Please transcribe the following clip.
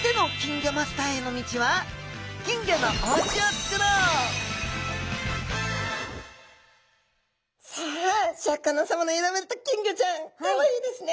続いてのさあシャーク香音さまの選ばれた金魚ちゃんかわいいですね。